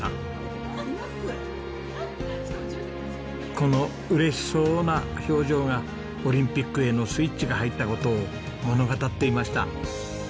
この嬉しそうな表情がオリンピックへのスイッチが入った事を物語っていました。